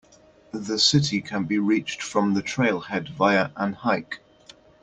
The city can be reached from the trailhead via an hike.